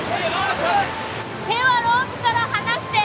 手はロープから離して。